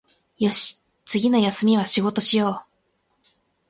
よし、次の休みは仕事しよう